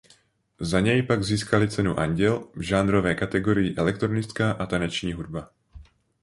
Za něj pak získali cenu Anděl v žánrové kategorii elektronická a taneční hudba.